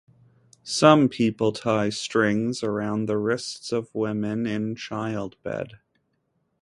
Some people tie strings around the wrists of women in childbed.